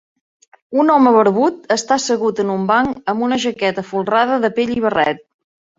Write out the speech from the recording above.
Un home barbut està assegut en un banc amb una jaqueta folrada de pell i barret.